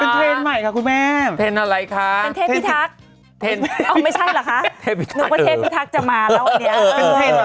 เหมี้ยเป็นอะไรคะเทศพิทักษ์ไม่ใช่เหรอคะไอ้พี่จะมาล้ะ้